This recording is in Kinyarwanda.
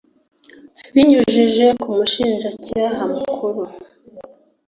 abinyujije ku mushinjacyaha mukuru